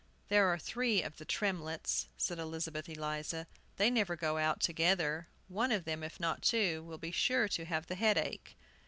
"There are three of the Tremletts," said Elizabeth Eliza; "they never go out together. One of them, if not two, will be sure to have the headache.